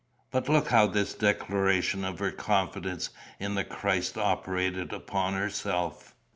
"But look how this declaration of her confidence in the Christ operated upon herself.